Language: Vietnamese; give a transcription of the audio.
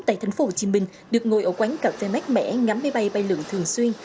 tại thành phố hồ chí minh được ngồi ở quán cà phê mát mẻ ngắm máy bay bay lượng thường xuyên